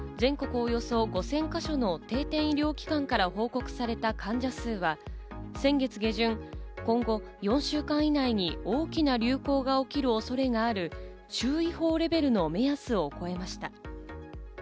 およそ５０００か所の定点医療機関から報告された患者数は先月下旬、今後４週間以内に大きな流行が起きる恐れがある注意報レベルの目安を超えました。